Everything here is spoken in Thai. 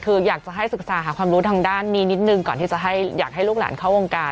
คืออยากจะให้ศึกษาหาความรู้ทางด้านนี้นิดนึงก่อนที่จะอยากให้ลูกหลานเข้าวงการ